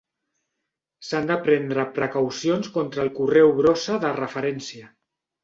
S'han de prendre precaucions contra el correu brossa de referència.